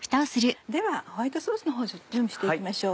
ではホワイトソースのほうを準備して行きましょう。